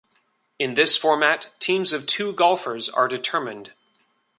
In this format, teams of two golfers are determined.